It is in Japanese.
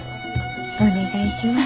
お願いします。